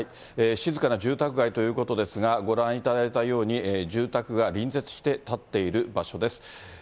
静かな住宅街ということですが、ご覧いただいたように、住宅が隣接して建っている場所です。